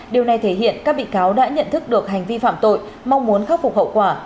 điều này thể hiện các bị cáo đã nhận thức được hành vi phạm tội mong muốn khắc phục hậu quả